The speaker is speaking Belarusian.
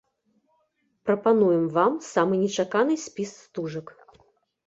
Прапануем вам самы нечаканы спіс стужак.